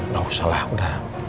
gak usah lah udah